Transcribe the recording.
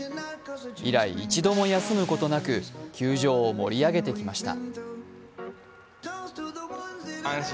以来一度も休むことなく球場を盛り上げてきました。